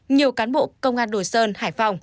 nhiều cán bộ công an đồ sơn hải phòng